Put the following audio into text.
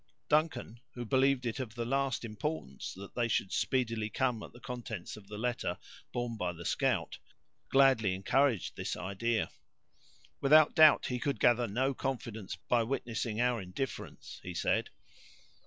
Duncan, who believed it of the last importance that they should speedily come to the contents of the letter borne by the scout, gladly encouraged this idea. "Without doubt, he could gather no confidence by witnessing our indifference," he said.